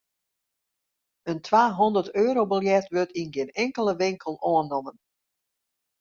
In twahûnderteurobiljet wurdt yn gjin inkelde winkel oannommen.